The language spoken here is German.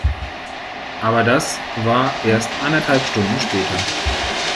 Aber das war erst anderthalb Stunden später.